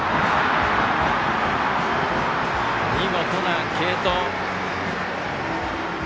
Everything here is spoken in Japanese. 見事な継投。